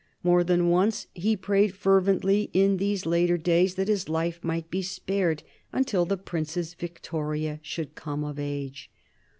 More than once he prayed fervently in these later days that his life might be spared until the Princess Victoria should come of age.